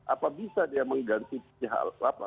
apa bisa dia mengganti siapa